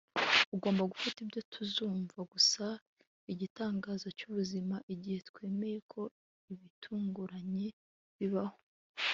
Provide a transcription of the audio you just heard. ugomba gufata ibyago tuzumva gusa igitangaza cy'ubuzima igihe twemeye ko ibitunguranye bibaho